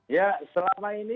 ya selama ini